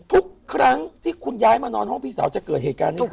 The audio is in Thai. ทุกครั้งที่คุณย้ายมานอนห้องพี่สาวจะเกิดเหตุการณ์นี้ขึ้น